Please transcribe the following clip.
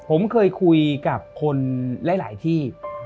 ผมเคยคุยกับคนหลายที่